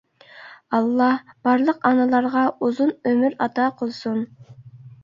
ئاللا بارلىق ئانىلارغا ئۇزۇن ئۆمۈر ئاتا قىلسۇن!